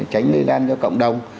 tránh lây lan cho cộng đồng